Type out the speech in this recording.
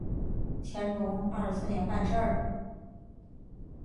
乾隆二十四年办事。